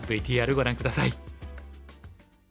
ＶＴＲご覧下さい。